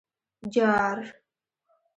_جار!